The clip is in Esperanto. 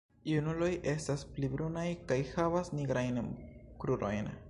Junuloj estas pli brunaj kaj havas nigrajn krurojn.